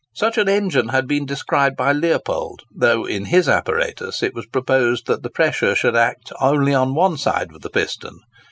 Such an engine had been described by Leopold, though in his apparatus it was proposed that the pressure should act only on one side of the piston.